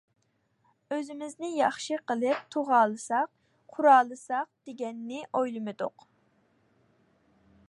ئۆزىمىزنى ياخشى قىلىپ تۇغالىساق، قۇرالىساق دېگەننى ئويلىمىدۇق.